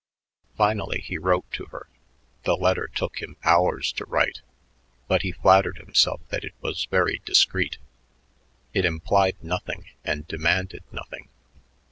Finally he wrote to her. The letter took him hours to write, but he flattered himself that it was very discreet; it implied nothing and demanded nothing.